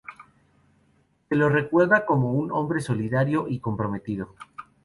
Se lo recuerda como un hombre solidario y comprometido.